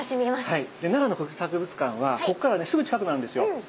で奈良の国立博物館はここからねすぐ近くなんですよ。